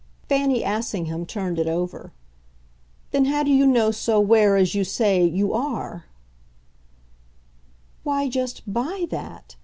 Fanny Assingham turned it over. "Then how do you know so where, as you say, you 'are'?" "Why, just BY that.